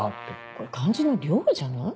これ漢字の「了」じゃない？